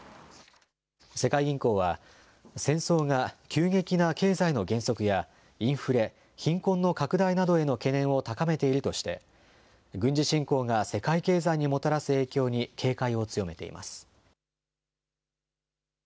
世界銀行は戦争が急激な経済の減速やインフレ、貧困の拡大などへの懸念を高めているとして軍事侵攻が世界経済にもたらす影響に警戒を強めています。